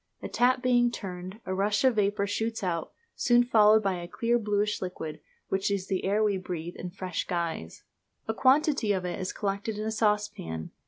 A tap being turned, a rush of vapour shoots out, soon followed by a clear, bluish liquid, which is the air we breathe in a fresh guise. A quantity of it is collected in a saucepan.